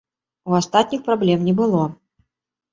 У астатніх праблем не было.